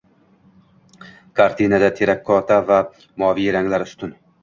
Kartinada terrakota va moviy ranglar ustun.